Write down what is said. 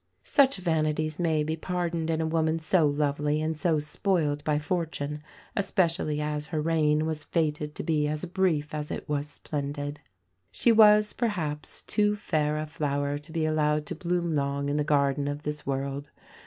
Such vanities may be pardoned in a woman so lovely and so spoiled by Fortune, especially as her reign was fated to be as brief as it was splendid. She was, perhaps, too fair a flower to be allowed to bloom long in the garden of this world.